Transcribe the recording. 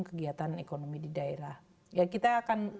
kegiatan ekonomi di daerah ya kita akan